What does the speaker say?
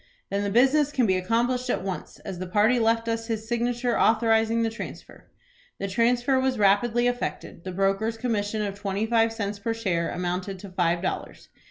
"Then the business can be accomplished at once, as the party left us his signature, authorizing the transfer." The transfer was rapidly effected. The broker's commission of twenty five cents per share amounted to five dollars.